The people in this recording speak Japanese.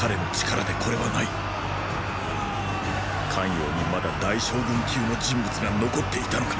咸陽にまだ大将軍級の人物が残っていたのか？